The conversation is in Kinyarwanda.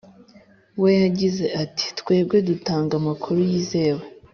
we yagize ati twebwe dutanga amakuru yizewe